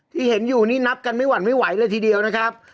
ที่เห็นอยู่นี่นับกันไม่หวั่นไม่ไหวเลยทีเดียวนะครับ